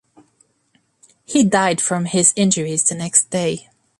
He died from his injuries the next day.